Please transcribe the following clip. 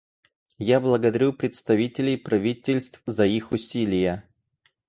Я благодарю представителей правительств за их усилия.